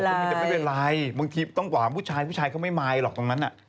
คือมันจะไม่เป็นไรบางทีต้องกว่าผู้ชายผู้ชายเขาไม่มายหรอกตรงนั้น